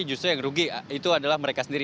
justru yang rugi itu adalah mereka sendiri